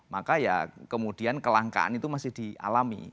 maka ya kemudian kelangkaan itu masih dialami